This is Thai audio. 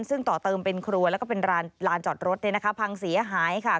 ซึ่งต่อเติมเป็นครัวแล้วก็เป็นลานจอดรถเนี่ยนะคะพังเสียหายค่ะ